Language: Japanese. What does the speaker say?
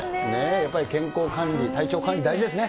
やっぱり健康管理、体調管理、大事ですね。